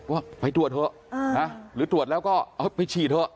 ว่าไปตรวจเถอะหรือตรวจแล้วก็เอาไปฉีดเถอะ